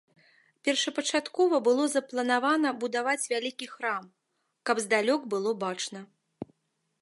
Першапачаткова было запланавана будаваць вялікі храм, каб здалёк было бачна.